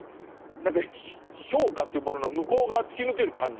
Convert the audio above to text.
何か評価というものの向こう側突き抜ける感じですね。